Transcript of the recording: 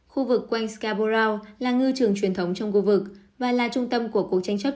khu vực quanh scaboro là ngư trường truyền thống trong khu vực và là trung tâm của cuộc tranh chấp